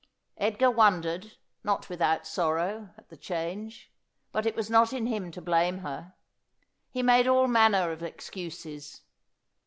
Edgar wondered, not without sorrow, at the change ; but it was not in him to blame her. He made all manner of excuses.